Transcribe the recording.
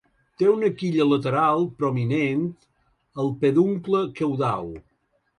Té una quilla lateral prominent al peduncle caudal.